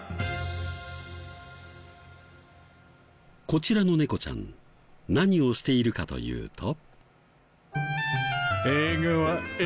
こちらの猫ちゃん何をしているかというと。